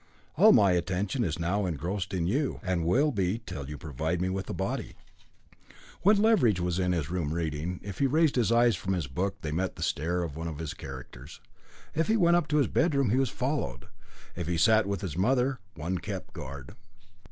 "All my attention is now engrossed in you, and will be till you provide me with a body." When Leveridge was in his room reading, if he raised his eyes from his book they met the stare of one of his characters. If he went up to his bedroom, he was followed. If he sat with his mother, one kept guard.